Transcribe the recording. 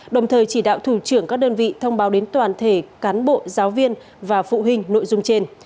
đồng thời chỉ đạo thủ trưởng các đơn vị thông báo đến toàn thể cán bộ giáo viên và phụ huynh nội dung trên